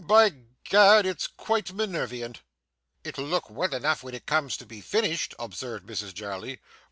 by Gad, it's quite Minervian.' 'It'll look well enough when it comes to be finished,' observed Mrs Jarley.